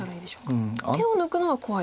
手を抜くのは怖い？